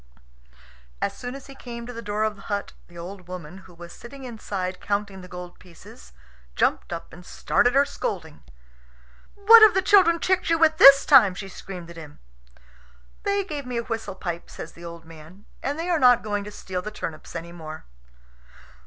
As soon as he came to the door of the hut, the old woman, who was sitting inside counting the gold pieces, jumped up and started her scolding. "What have the children tricked you with this time?" she screamed at him. "They gave me a whistle pipe," says the old man, "and they are not going to steal the turnips any more."